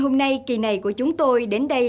hôm nay kỳ này của chúng tôi đến đây